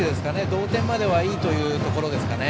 同点まではいいというところですかね。